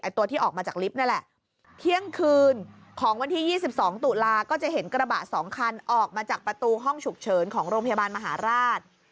ตัวที่ออกมาจากลิฟต์นี่แหละเที่ยงคืนของวันที่๒๒ตุลาก็จะเห็นกระบะ๒คันออกมาจากประตูห้องฉุกเฉินของโรงพยาบาลมหาราช